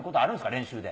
練習で。